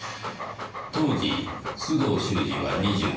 当時須藤修史は２１歳。